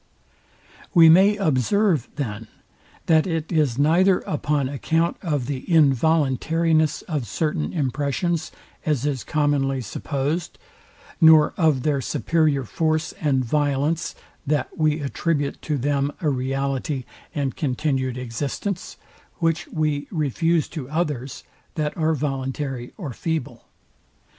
We may observe, then, that it is neither upon account of the involuntariness of certain impressions, as is commonly supposed, nor of their superior force and violence, that we attribute to them a reality, and continued existence, which we refuse to others, that are voluntary or feeble.